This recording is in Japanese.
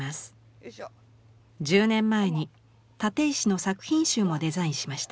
１０年前に立石の作品集もデザインしました。